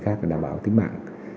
không biết gì sẽ xảy ra